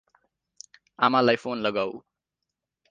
आमा लाई फोन लगाऊ ।